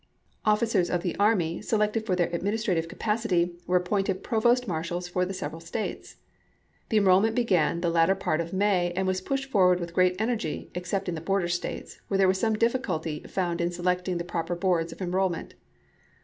Officers of the army, selected for their administrative capacity, were appointed provost marshals for the several States. The enrollment began the latter part of May, and was pushed forward with great energy, except in the border States, where there was some difficulty found in selecting the proper boards of enrollment.